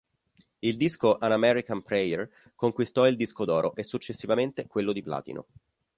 Il disco "An American Prayer" conquistò il disco d'oro e successivamente quello di platino.